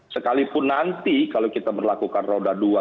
sekalipun nanti kalau kita melakukan roda dua